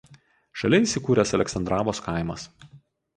Šalia įsikūręs Aleksandravos kaimas.